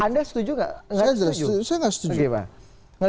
anda setuju nggak